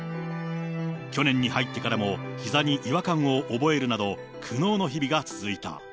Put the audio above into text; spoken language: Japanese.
去年に入ってからもひざに違和感を覚えるなど、苦悩の日々が続いた。